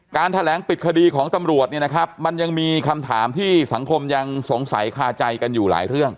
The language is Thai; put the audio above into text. แถลงปิดคดีของตำรวจเนี่ยนะครับมันยังมีคำถามที่สังคมยังสงสัยคาใจกันอยู่หลายเรื่อง